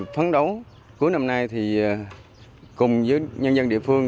phấn đấu cuối năm nay thì cùng với nhân dân địa phương